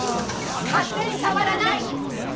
勝手に触らない！